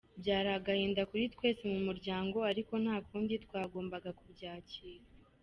Byari agahinda kuri twese mu muryango ariko nta kundi twagomba kubyakira.